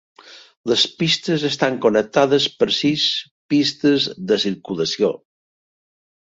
Les pistes estan connectades per sis pistes de circulació.